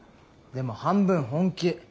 でも半分本気。